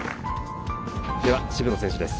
では、渋野選手です。